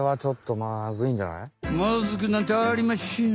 まずくなんてありましぇん！